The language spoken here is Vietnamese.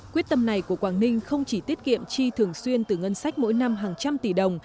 quyết tâm này của quảng ninh không chỉ tiết kiệm chi thường xuyên từ ngân sách mỗi năm hàng trăm tỷ đồng